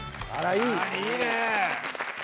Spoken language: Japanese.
いいね。